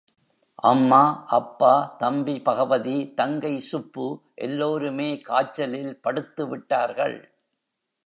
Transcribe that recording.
அம்மா, அப்பா, தம்பி பகவதி, தங்கை சுப்பு எல்லோருமே காய்ச்சலில் படுத்துவிட்டார்கள்.